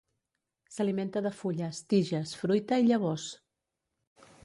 S'alimenta de fulles, tiges, fruita i llavors.